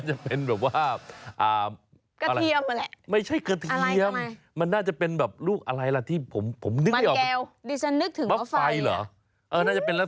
ชอบทานทุเรียนเนี่ยผมว่าคุ้มมาก